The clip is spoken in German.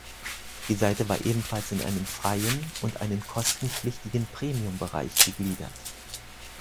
Die Seite war ebenfalls in einen freien und einen kostenpflichtigen Premium-Bereich gegliedert.